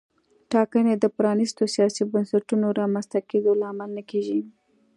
ټاکنې د پرانیستو سیاسي بنسټونو رامنځته کېدو لامل نه کېږي.